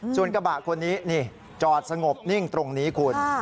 ส่วนกระบะคนนี้นี่จอดสงบนิ่งตรงนี้คุณ